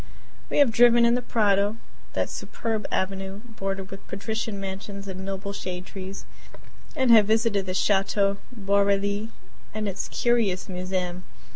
We have driven in the Prado that superb avenue bordered with patrician mansions and noble shade trees and have visited the chateau Boarely and its curious museum.